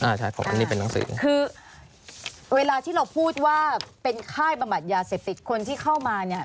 ใช่เพราะอันนี้เป็นหนังสือคือเวลาที่เราพูดว่าเป็นค่ายบำบัดยาเสพติดคนที่เข้ามาเนี่ย